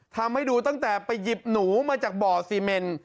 ทำให้ดูตั้งแต่ไปหยิบหนูมาจากบ่อซีเมน